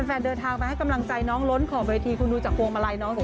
สั้นแฟนเดินทางให้กำลังใจตัวน้องล้นขอเวทีคุณดูจากควงมาลัยน้องสิคะ